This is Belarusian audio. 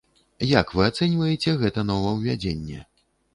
Як вы ацэньваеце гэта новаўвядзенне?